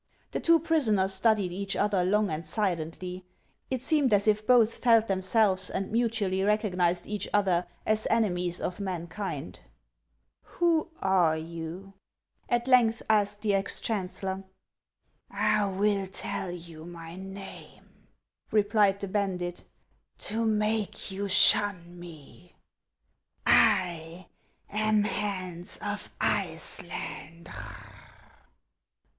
The two prisoners studied each other long and silently ; it seemed as if both felt themselves and mutually recog nized each other as enemies of mankind. " Who are you ?" at length asked the ex chancellor. " I will tell you my name," replied the bandit, " to make you shun me. I am Hans of Iceland."